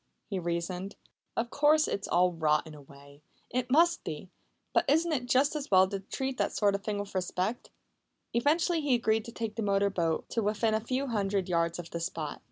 he reasoned. "Of course it's all rot in a way it must be. But isn't it just as well to treat that sort of thing with respect?" Eventually he agreed to take the motor boat to within a few hundred yards of the spot.